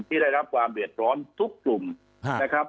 ได้รับความเดือดร้อนทุกกลุ่มนะครับ